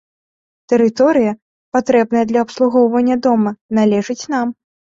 Тэрыторыя, патрэбная для абслугоўвання дома, належыць нам.